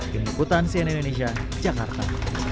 dengan ikutan cnn indonesia jakarta